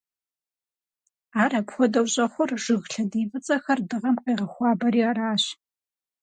Ар апхуэдэу щӀэхъур, жыг лъэдий фӀыцӀэхэр дыгъэм къегъэхуабэри аращ.